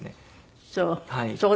そう。